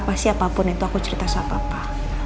pasti apapun itu aku cerita sama papa